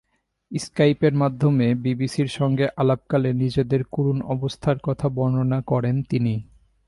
স্কাইপের মাধ্যমে বিবিসির সঙ্গে আলাপকালে নিজেদের করুণ অবস্থার কথা বর্ণনা করেন তিনি।